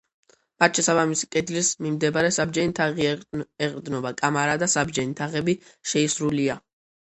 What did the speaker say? მათ შესაბამისი კედლის მიმდებარე საბჯენი თაღი ეყრდნობა კამარა და საბჯენი თაღები შეისრულია.